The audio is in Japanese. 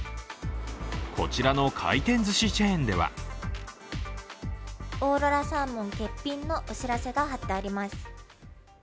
こちらの回転ずしチェーンではオーロラサーモン欠品のお知らせが貼ってあります。